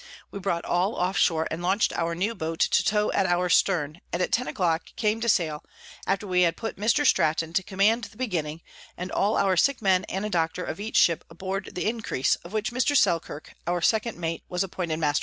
We brought all off shore, and launch'd our new Boat to tow at our stern, and at ten a clock came to sail, after we had put Mr. Stratton to command the Beginning, and all our sick Men and a Doctor of each Ship aboard the Increase, of which Mr. Selkirk, our second Mate, was appointed Master.